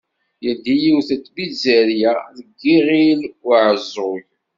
Yeldi yiwet n tpizzirya deg Iɣil-Uɛeẓẓug.